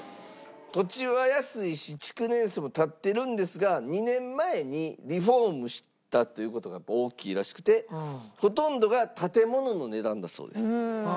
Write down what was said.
土地は安いし築年数も経ってるんですが２年前にリフォームしたという事が大きいらしくてほとんどが建物の値段だそうです。